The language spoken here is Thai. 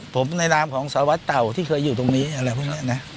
ผมในนามของสารวัตรเต่าที่เคยอยู่ตรงนี้อะไรพวกนี้นะ